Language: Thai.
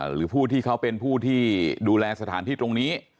หรือผู้ที่เขาเป็นผู้ที่ดูแลสถานที่ตรงนี้